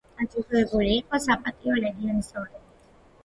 დაჯილდოებული იყო საპატიო ლეგიონის ორდენით.